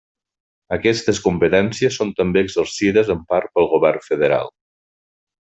Aquestes competències són també exercides en part pel govern federal.